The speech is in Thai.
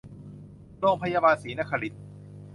โรงพยาบาลศรีนครินทร์